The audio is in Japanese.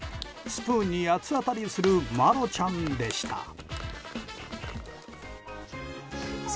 スプーンに八つ当たりするマロちゃんでした。